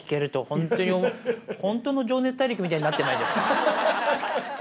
中でも本当の『情熱大陸』みたいになってないですか？